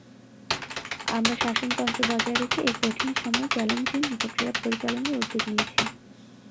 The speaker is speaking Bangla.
আমরা শাসনতন্ত্র বজায় রেখে এই কঠিন সময়ে চ্যালেঞ্জিং প্রক্রিয়া পরিচালনার উদ্যোগ নিয়েছি।